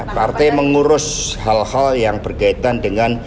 partai mengurus hal hal yang berkaitan dengan